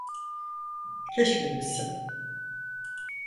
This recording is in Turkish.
Keşke bilsem.